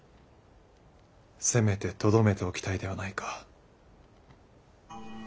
せめてとどめておきたいではないか。